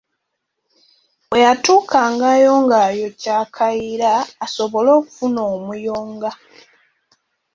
Bwe yatuukangayo ng’ayokya akayiira asobole okufuna omuyonga.